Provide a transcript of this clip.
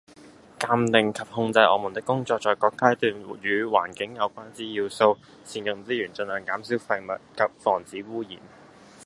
鑑定及控制我們的工作在各階段與環境有關之要素，善用資源，盡量減少廢物及防止污染